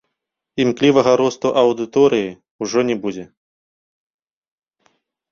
Імклівага росту аўдыторыі ўжо не будзе.